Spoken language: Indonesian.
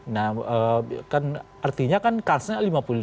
nah kan artinya kan kasusnya lima puluh lima puluh